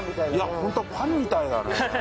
ホントパンみたいだね。